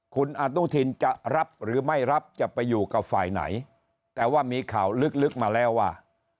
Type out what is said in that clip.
คุณอนุทินจะรับหรือไม่รับจะไปอยู่กับฝ่ายไหนแต่ว่ามีข่าวลึกมาแล้วว่า